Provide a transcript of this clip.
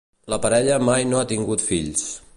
La parella mai no ha tingut fills.